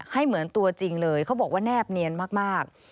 ให้เหมือนตัวจริงเลยเขาบอกว่าแนบเนียนมาก